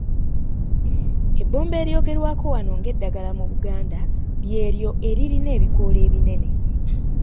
Ebbombo eryogerwako wano ng'eddagala mu Buganda ly'eryo eririna ebikoola ebinene